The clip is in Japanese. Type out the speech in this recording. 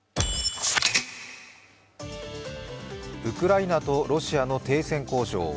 ウクライナとロシアの停戦交渉